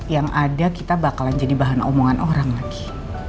yang ada kita bakalan jadi bahan omongan orang lagi